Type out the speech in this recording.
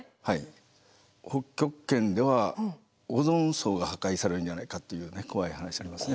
北極圏ではオゾン層が破壊されるんじゃないかっていう怖い話があります。